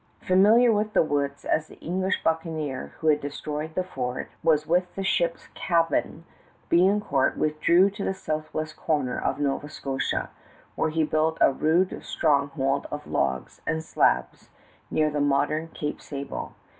Familiar with the woods as the English buccaneer, who had destroyed the fort, was with his ship's cabin, Biencourt withdrew to the southwest corner of Nova Scotia, where he built a rude stronghold of logs and slabs near the modern Cape Sable.